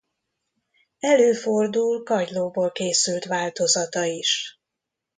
Előfordul kagylóból készült változata is.